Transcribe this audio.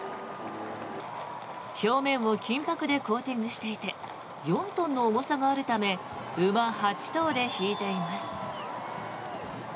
表面を金箔でコーティングしていて４トンの重さがあるため馬８頭で引いています。